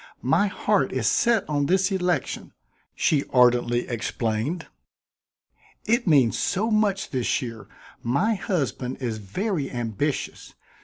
"My heart is set on this election," she ardently explained. "It means so much this year. My husband is very ambitious.